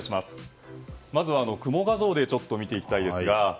まず雲画像で見ていきたいんですが。